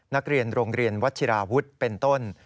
นักเรียนโรงเรียนวัชิราวุฒิเป็นต้น